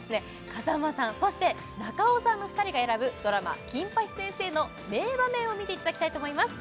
風間さんそして中尾さんの２人が選ぶドラマ「金八先生」の名場面を見ていただきたいと思います